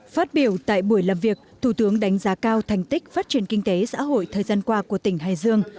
phát biểu tại buổi làm việc thủ tướng đánh giá cao thành tích phát triển kinh tế xã hội thời gian qua của tỉnh hải dương